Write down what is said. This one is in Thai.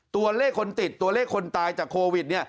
ตัวเลขคนติดตัวเลขคนตายจากโควิด